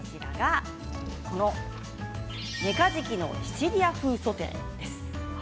このメカジキのシチリア風ソテーです。